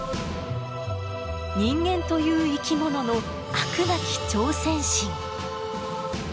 人間という生き物の飽くなき挑戦心。